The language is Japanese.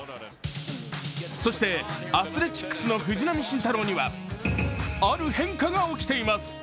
そしてアスレチックスの藤浪晋太郎にはある変化が起きています。